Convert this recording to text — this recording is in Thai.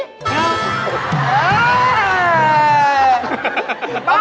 หลอก